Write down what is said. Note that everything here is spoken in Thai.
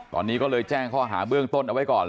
ตอนนี้ก็เลยแจ้งข้อหาเบื้องต้นเอาไว้ก่อน